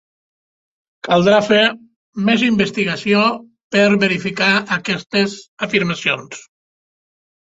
Caldrà fer més investigació per verificar aquestes afirmacions.